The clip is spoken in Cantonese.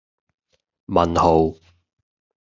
問號